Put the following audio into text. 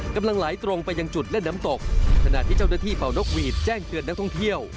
กำลังไหลตรงไปยังจุดเล่นน้ำตกขณะที่เจ้าหน้าที่เป่านกหวีดแจ้งเตือนนักท่องเที่ยว